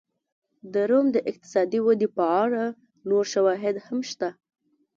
د روم د اقتصادي ودې په اړه نور شواهد هم شته.